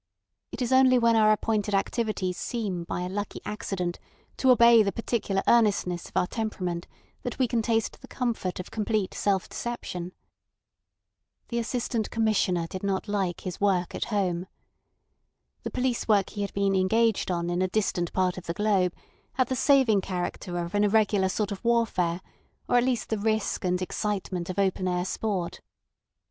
It is only when our appointed activities seem by a lucky accident to obey the particular earnestness of our temperament that we can taste the comfort of complete self deception. The Assistant Commissioner did not like his work at home. The police work he had been engaged on in a distant part of the globe had the saving character of an irregular sort of warfare or at least the risk and excitement of open air sport.